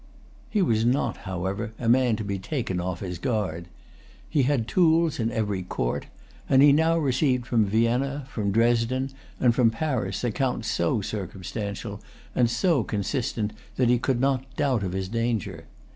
He was not, however, a man to be taken off his guard. He had tools in every court; and he now received from Vienna, from Dresden, and from Paris accounts so circumstantial and so consistent that he could not doubt of his danger.